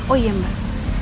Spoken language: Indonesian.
oh iya mbak